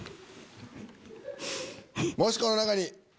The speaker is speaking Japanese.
もしこの中に。